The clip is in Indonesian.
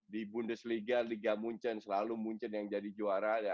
di bundesliga liga munchen selalu munchen yang jadi juara